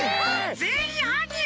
ぜんいんはんにん！？